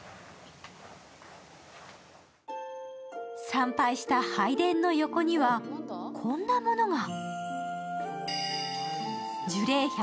参拝した拝殿の横にはこんなものが。